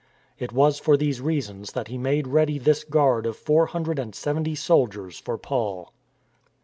It was for these reasons that he made ready this guard of four hundred and seventy soldiers for Paul.